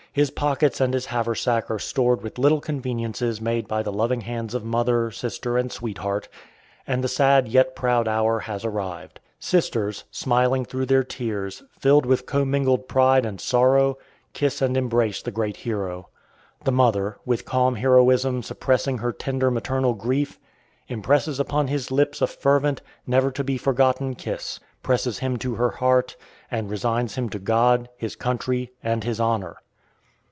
His pockets and his haversack are stored with little conveniences made by the loving hands of mother, sister, and sweetheart, and the sad yet proud hour has arrived. Sisters, smiling through their tears, filled with commingled pride and sorrow, kiss and embrace their great hero. The mother, with calm heroism suppressing her tender maternal grief, impresses upon his lips a fervent, never to be forgotten kiss, presses him to her heart, and resigns him to God, his country, and his honor.